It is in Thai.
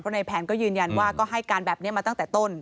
ในแผนก็ยืนยันว่าก็ให้การแบบนี้มาตั้งแต่ต้น